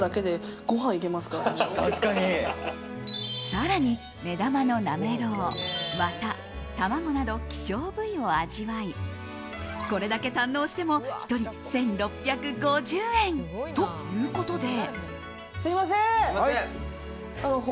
更に、目玉のなめろうワタ、卵など希少部位を味わいこれだけ堪能しても１人１６５０円ということで。